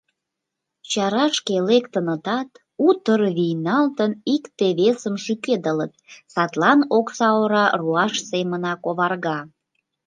Чарашке лектынытат, утыр вийналтын икте-весым шӱкедылыт, садлан окса ора руаш семынак оварга.